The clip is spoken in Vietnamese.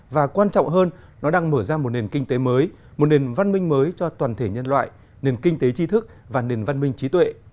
và quan trọng hơn nó đang mở ra một nền kinh tế mới một nền văn minh mới cho toàn thể nhân loại nền kinh tế tri thức và nền văn minh trí tuệ